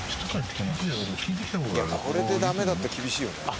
これでダメだったら厳しいよね。